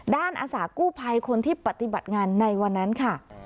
อาสากู้ภัยคนที่ปฏิบัติงานในวันนั้นค่ะ